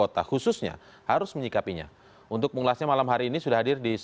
terima kasih sudah hadir